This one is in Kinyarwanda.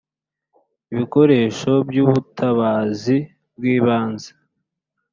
ibikoresho byu butabazi bw’ ibanze